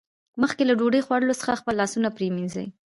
مخکې له ډوډۍ خوړلو څخه خپل لاسونه پرېمینځئ